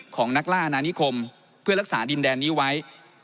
ของนักล่าอาณานิคมเพื่อรักษาดินแดนนี้ไว้